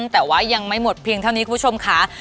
แต่ว่ายังไม่หมดเพียงเท่านี้คุณผู้ชมค่ะ